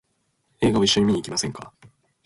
映画を一緒に見に行きませんか？